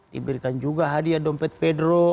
diberikan juga hadiah dompet pedro